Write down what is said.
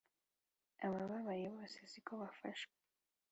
abababaye bose siko bafahswa